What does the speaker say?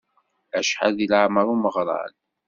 Acḥal deg leεmer umeɣrad?